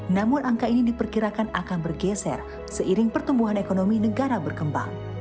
namun angka ini diperkirakan akan bergeser seiring pertumbuhan ekonomi negara berkembang